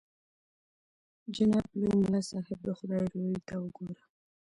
جناب لوی ملا صاحب د خدای روی ته وګوره.